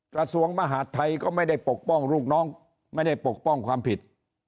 กระทรวงมหาดไทยก็ไม่ได้ปกป้องลูกน้องไม่ได้ปกป้องความผิด